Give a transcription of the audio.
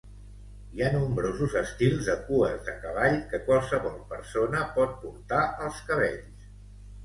Hi ha nombrosos estils de cues de cavall que qualsevol persona pot portar als cabells.